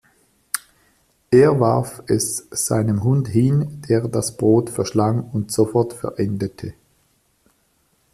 Er warf es seinem Hund hin, der das Brot verschlang und sofort verendete.